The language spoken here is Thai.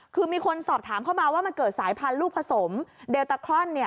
คือมีคนสอบถามเข้ามาว่ามันเกิดสายพันธุ์ลูกผสมเดลตาครอน